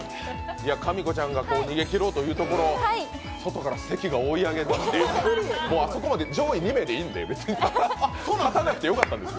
かみこちゃんが逃げきろうというところ、関が外から追い上げてきましてあそこまで上位２名でいいんで勝たなくてよかったんです。